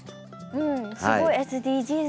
うんすごいＳＤＧｓですね。